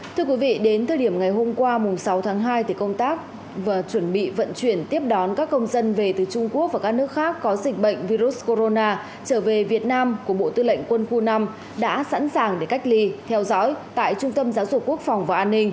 thưa quý vị đến thời điểm ngày hôm qua sáu tháng hai công tác và chuẩn bị vận chuyển tiếp đón các công dân về từ trung quốc và các nước khác có dịch bệnh virus corona trở về việt nam của bộ tư lệnh quân khu năm đã sẵn sàng để cách ly theo dõi tại trung tâm giáo dục quốc phòng và an ninh